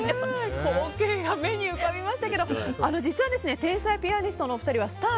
光景が目に浮かびましたけど実は天才ピアニストのお二人はスター☆